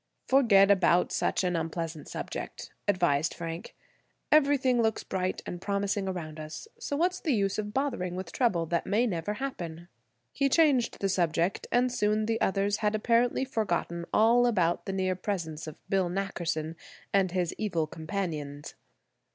"Forget about such an unpleasant subject," advised Frank. "Everything looks bright and promising around us, so what's the use bothering with trouble that may never happen?" He changed the subject, and soon the others had apparently forgotten all about the near presence of Bill Nackerson and his evil companions.